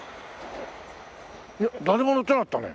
誰も乗ってなかったね。